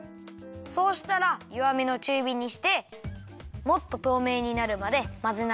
そうしたらよわめのちゅうびにしてもっととうめいになるまでまぜながらあたためるよ。